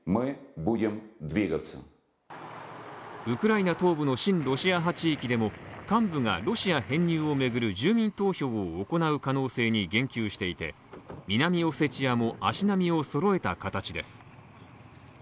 ウクライナ東部の新ロシア派地域でも幹部がロシア編入を巡る住民投票を行う可能性に言及していて南オセチアも足並みをそろえた形です。